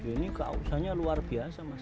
ini keausannya luar biasa mas